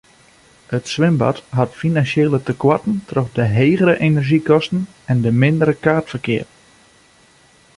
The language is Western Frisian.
It swimbad hat finansjele tekoarten troch de hegere enerzjykosten en mindere kaartferkeap.